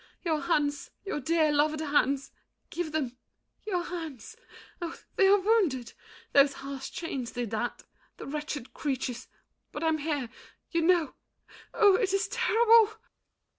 Your hands, your dear loved hands, give them—your hands! Oh, they are wounded! Those harsh chains did that. The wretched creatures! But I'm here—you know— Oh, it is terrible!